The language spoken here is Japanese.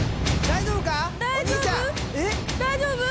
大丈夫？